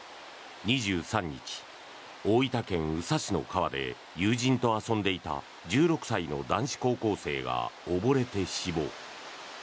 ２３日、大分県宇佐市の川で友人と遊んでいた１６歳の男子高校生が溺れて死亡。